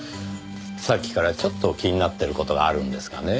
さっきからちょっと気になってる事があるんですがね。